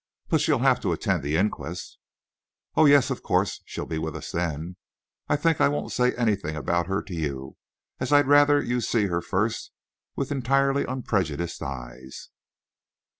"But she'll have to attend the inquest?" "Oh, yes, of course. She'll be with us then. I think I won't say anything about her to you, as I'd rather you'd see her first with entirely unprejudiced eyes."